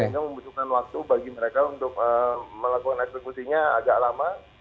sehingga membutuhkan waktu bagi mereka untuk melakukan eksekusinya agak lama